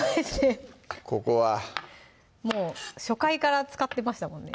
ここはもう初回から使ってましたもんね